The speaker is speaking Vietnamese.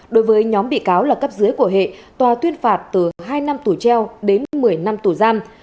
đối với nhóm bị cáo là cấp dưới của hệ tòa tuyên phạt từ hai năm tù treo đến một mươi năm tù giam